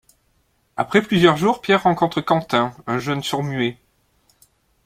Après plusieurs jours, Pierre rencontre Quentin, un jeune sourd-muet.